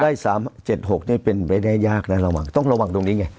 ใต้๓๗๖เป็นรายได้ยากนะต้องระวังตรงนี้ไง